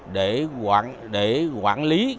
để quản lý